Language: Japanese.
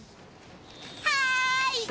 はい！